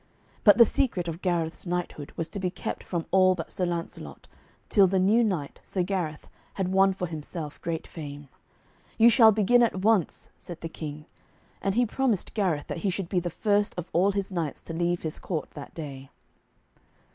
But the secret of Gareth's knighthood was to be kept from all but Sir Lancelot, till the new knight, Sir Gareth, had won for himself great fame. 'You shall begin at once,' said the King. And he promised Gareth that he should be the first of all his knights to leave his court that day.